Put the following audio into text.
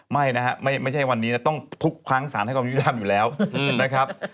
ไม่นะฮะไม่ใช่วันนี้นะต้องทุกครั้งสารให้ความยุทธรรมอยู่แล้วนะครับ